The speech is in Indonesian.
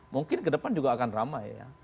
mungkin kedepan juga akan ramai ya